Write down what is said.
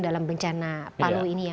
dalam bencana palu ini ya